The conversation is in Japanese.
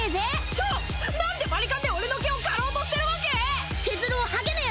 ちょ何でバリカンで俺の毛を刈ろうとしてるワケぇ！？